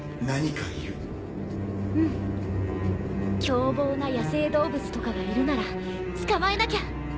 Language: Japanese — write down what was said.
凶暴な野生動物とかがいるなら捕まえなきゃ。